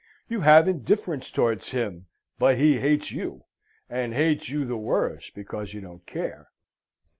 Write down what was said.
You have indifference towards him, but he hates you, and hates you the worse because you don't care.